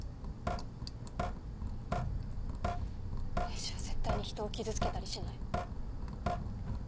エイジは絶対に人を傷つけたりしない。